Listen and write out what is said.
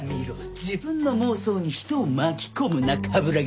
自分の妄想に人を巻き込むな冠城亘。